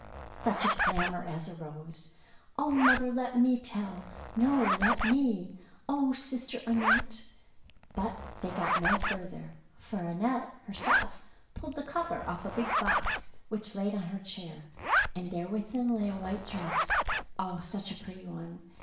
Such a clamour as arose. Oh, mother, let me tell.'' '' No, let me." " Oh, sister Annette —" But they got no further, for Annette herself pulled the cover off a big box which was laid on her chair, and there within lay a white dress — oh, such a pretty one